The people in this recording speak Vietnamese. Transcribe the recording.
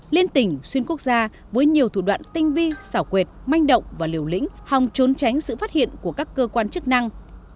liên tỉnh xuyên quốc gia với nhiều thủ đoạn tinh vi xảo quệt manh động và liều lĩnh hòng trốn tránh sự phát hiện của các cơ quan chức năng